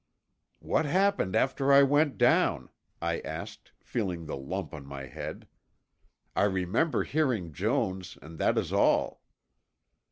"What happened after I went down?" I asked, feeling the lump on my head. "I remember hearing Jones, and that is all."